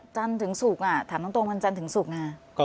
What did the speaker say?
จันทร์ถึงศุกร์ถามตรงวันจันทร์ถึงศุกร์ไง